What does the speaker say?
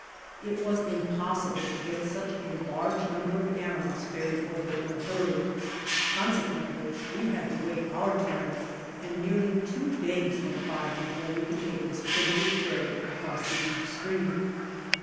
It was impossible to get such a large number of animals ferried over in a hurry. Consequently we had to wait our turn and nearly two days went by before we could take this primitive ferry across the deep stream.